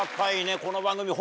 この番組。